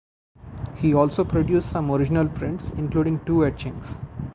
He also produced some original prints, including two etchings.